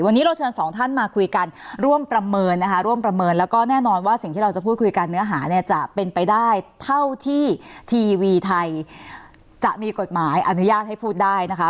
วันนี้เราเชิญสองท่านมาคุยกันร่วมประเมินนะคะร่วมประเมินแล้วก็แน่นอนว่าสิ่งที่เราจะพูดคุยกันเนื้อหาเนี่ยจะเป็นไปได้เท่าที่ทีวีไทยจะมีกฎหมายอนุญาตให้พูดได้นะคะ